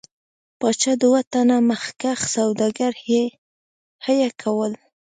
پاچا دوه تنه مخکښ سوداګر حیه کول.